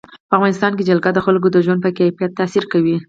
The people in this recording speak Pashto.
په افغانستان کې جلګه د خلکو د ژوند په کیفیت تاثیر کوي.